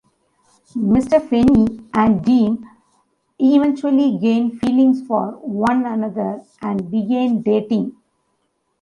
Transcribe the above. Mr. Feeny and the Dean eventually gain feelings for one another and begin dating.